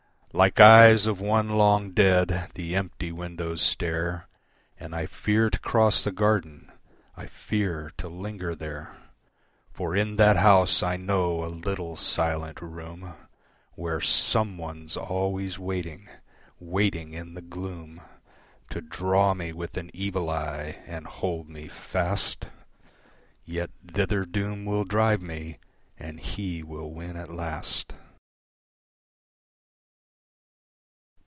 Like eyes of one long dead the empty windows stare And I fear to cross the garden, I fear to linger there, For in that house I know a little, silent room Where Someone's always waiting, waiting in the gloom To draw me with an evil eye, and hold me fast Yet thither doom will drive me and He will win at last.